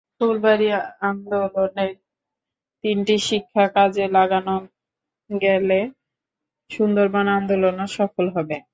ফুলবাড়ী আন্দোলনের তিনটি শিক্ষা কাজে লাগানো গেলে সুন্দরবন আন্দোলনও সফল হবে।